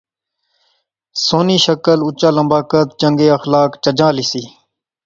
سوہنی شکل، اُچا لمبا قد، چنگے اخلاق، چجا لی سی